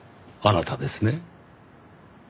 あなたですね？